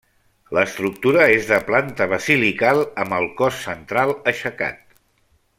L'estructura és de planta basilical, amb el cos central aixecat.